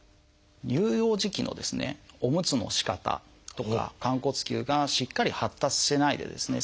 乳幼児期のおむつのしかたとか寛骨臼がしっかり発達してないでですね